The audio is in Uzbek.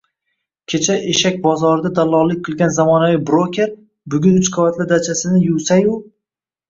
Kecha eshak bozorida dalllollik qilgan “zamonaviy broker” bugun uch qavatli dachasini “yuvsa-yu”